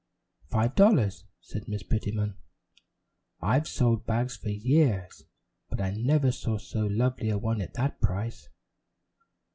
"Five dollars," said Miss Prettyman. "I've sold bags for years, but I never saw so lovely a one at that price."